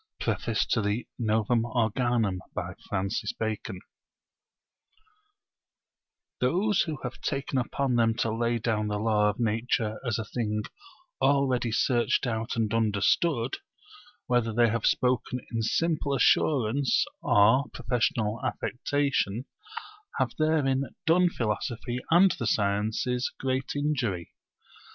PREFACE TO THE NOVUM ORGANUM Those who have taken upon them to lay down the law of nature as a thing already searched out and understood, whether they have spoken in simple assurance or professional affectation, have therein done philosophy and the sciences great injury.